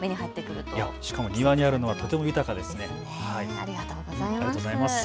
ありがとうございます。